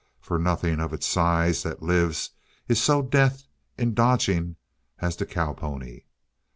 For nothing of its size that lives is so deft in dodging as the cow pony.